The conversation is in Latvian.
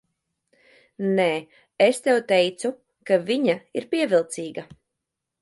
Nē, es tev teicu, ka viņa ir pievilcīga.